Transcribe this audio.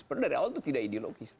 padahal itu tidak ideologis